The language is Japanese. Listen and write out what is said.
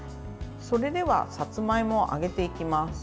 それでは、さつまいもを揚げていきます。